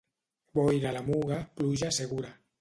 Boira a la Muga, pluja segura.